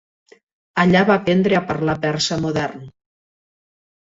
Allà va aprendre a parlar persa modern.